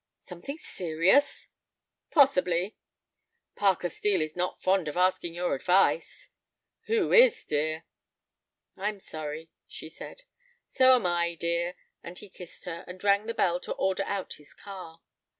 "Something serious?" "Possibly." "Parker Steel is not fond of asking your advice." "Who is, dear?" "I'm sorry," she said. "So am I, dear," and he kissed her, and rang the bell to order out his car.